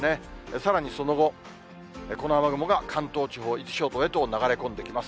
さらにその後、この雨雲が関東地方、伊豆諸島へと流れ込んできます。